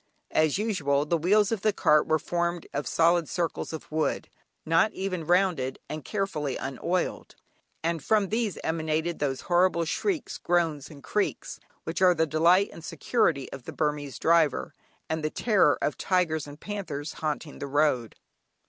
As usual, the wheels of the cart were formed of solid circles of wood, not even rounded, and carefully unoiled, and from these emanated those horrible shrieks, groans, and creaks, which are the delight and security of the Burmese driver, and the terror of tigers and panthers haunting the road.